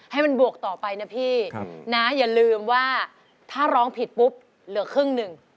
ให้มันบวกต่อไปนะพี่นะอย่าลืมว่าถ้าร้องผิดปุ๊บเหลือครึ่งหนึ่ง